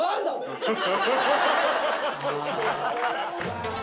ハハハハ！